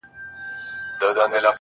o د مینو اسوېلیو ته دي پام دی,